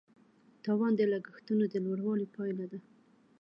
تاوان د لګښتونو د لوړوالي پایله ده.